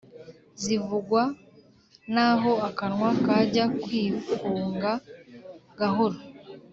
zivugwa naho akanwa kajya kwifunga gahoro